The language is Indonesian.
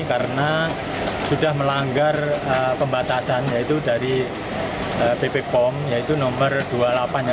karena sudah melanggar pembatasan yaitu dari bp pom yaitu nomor dua puluh delapan ya pak ya